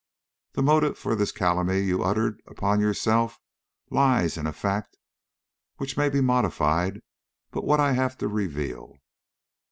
The motive for this calumny you uttered upon yourself lies in a fact which may be modified by what I have to reveal.